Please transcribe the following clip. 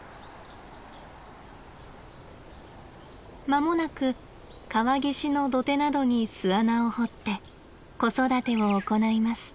間もなく川岸の土手などに巣穴を掘って子育てを行います。